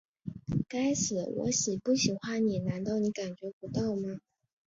该死，我喜不喜欢你难道你感觉不到吗?